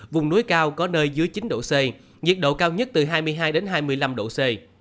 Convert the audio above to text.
vùng núi cao có nơi dưới chín độ c nhiệt độ cao nhất từ hai mươi hai hai mươi năm độ c